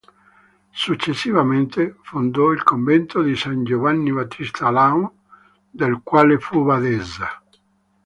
Successivamente fondò il convento di San Giovanni Battista a Laon, del quale fu badessa.